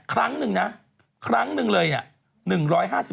ครั้งหนึ่งนะครั้งหนึ่งเลยอ่ะ